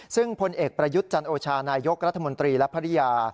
ซึ่งพลเอกประยุทธ์จันโอชานายกรัฐมนตรีและภรรยา